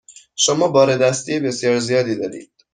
شما بار دستی بسیار زیادی دارید.